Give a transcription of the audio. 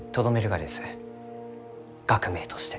学名として。